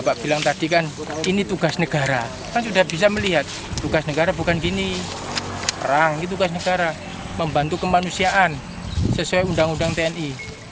kan sudah bisa melihat tugas negara bukan gini rangi tugas negara membantu kemanusiaan sesuai undang undang tni